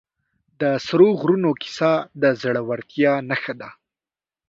د سرو غرونو کیسه د زړورتیا نښه ده.